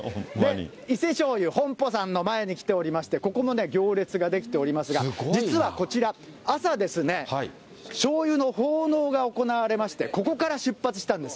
伊勢醤油本舗さんの前に来ておりまして、ここもね、行列が出来ておりますが、実はこちら、朝、しょうゆの奉納が行われまして、ここから出発したんです。